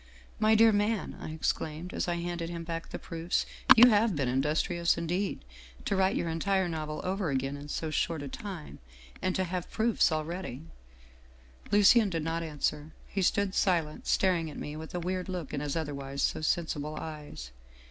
"' My dear man/ I exclaimed, as I handed him back the proofs. ' You have been industrious indeed, to write your entire novel over again in so short a time and to have proofs already '" Lucien did not answer. He stood silent, staring at me with a weird look in his otherwise so sensible eyes.